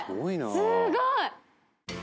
すごい。